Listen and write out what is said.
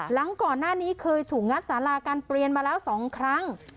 หลังก่อนหน้านี้เคยถูกงัดสาราการเปลี่ยนมาแล้ว๒ครั้ง